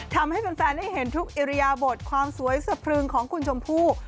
ทำให้แฟนได้เห็นทุกอิริยบทความสวยสะพรึงของคุณชมพู่